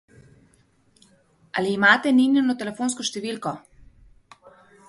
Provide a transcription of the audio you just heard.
Ali imate Ninino telefonsko številko?